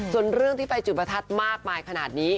ส่วนเรื่องที่ไปจุดประทัดมากมายขนาดนี้